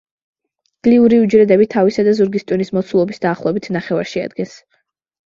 გლიური უჯრედები თავისა და ზურგის ტვინის მოცულობის დაახლოებით ნახევარს შეადგენს.